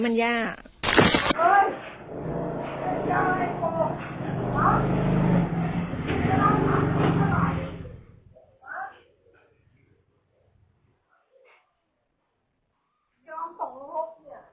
ครับมาเชื่อเป็นอย่างยาก